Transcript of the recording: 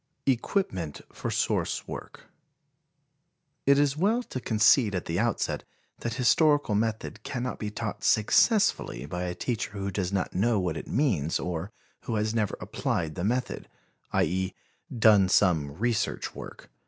Equipment for Source Work. It is well to concede at the outset that historical method cannot be taught successfully by a teacher who does not know what it means or who has never applied the method, i. e., done some research work.